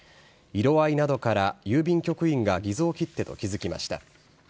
色合いなどから郵便局員が偽造切手と気付きました。